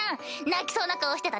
泣きそうな顔してたね。